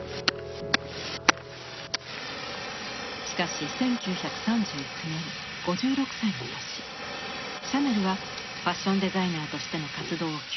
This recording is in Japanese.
しかし１９３９年５６歳の年シャネルはファッション・デザイナーとしての活動を休止しました。